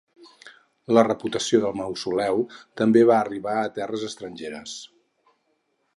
La reputació del mausoleu també va arribar a terres estrangeres.